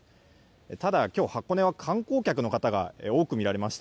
ただ今日、箱根は観光客の方が多く見られました。